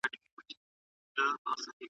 لیکل د کلمو په ساتلو کې تر اورېدلو غوره دي.